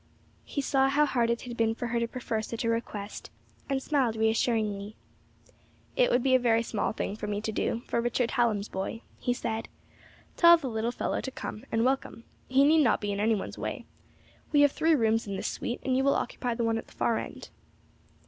He saw how hard it had been for her to prefer such a request, and smiled reassuringly. "It would be a very small thing for me to do for Richard Hallam's boy," he said. "Tell the little fellow to come, and welcome. He need not be in any one's way. We have three rooms in this suite, and you will occupy the one at the far end."